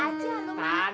apa sih pan